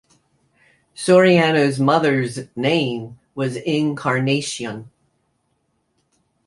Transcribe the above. Soriano's mother's name was Encarnacion.